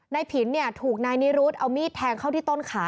ผินถูกนายนิรุธเอามีดแทงเข้าที่ต้นขา